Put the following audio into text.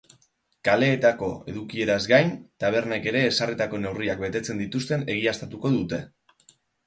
Kaleetako edukieraz gain, tabernek ere ezarritako neurriak betetzen dituzten egiaztatuko dute.